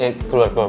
eh keluar keluar